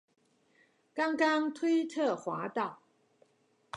剛剛推特滑到